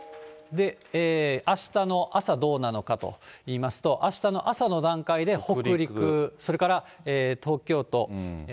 あしたの朝、どうなのかといいますと、あしたの朝の段階で、北陸、それから東京都。